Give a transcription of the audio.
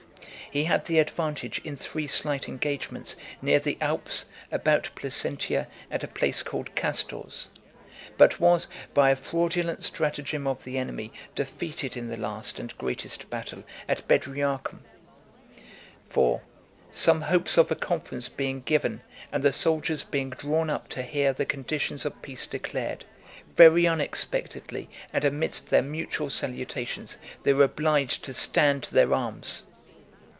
He had the advantage in three slight engagements, near the Alps, about Placentia, and a place called Castor's ; but was, by a fraudulent stratagem of the enemy, defeated in the last and greatest battle, at Bedriacum . For, some hopes of a conference being given, and the soldiers being drawn up to hear the conditions of peace declared, very unexpectedly, and amidst their mutual salutations, they were obliged to stand to their arms.